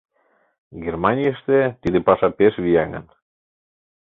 Германийыште тиде паша пеш вияҥын.